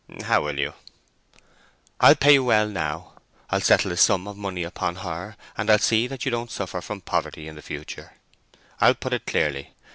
"How will you?" "I'll pay you well now, I'll settle a sum of money upon her, and I'll see that you don't suffer from poverty in the future. I'll put it clearly.